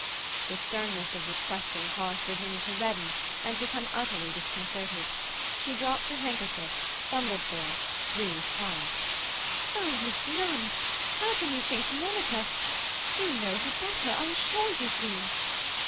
The sternness of this question caused Virginia to redden and become utterly disconcerted. She dropped her handkerchief, fumbled for it, breathed hard. "Oh, Miss Nunn! How can you think Monica—? You know her better; I'm sure you do!"